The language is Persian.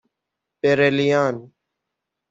بِرلیان